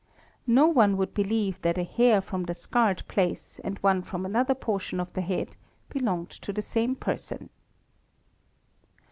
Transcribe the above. No one would believe that a hair from the scarred place and one from another portion of the head belonged to the same person.